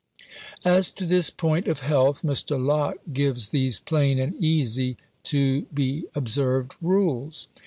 As to this point of health, Mr. Locke gives these plain and easy to be observed rules.